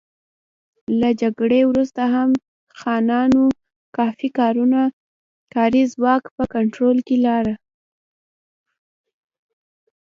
له جګړې وروسته هم خانانو کافي کاري ځواک په کنټرول کې لاره.